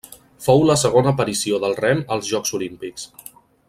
Fou la segona aparició del rem als Jocs Olímpics.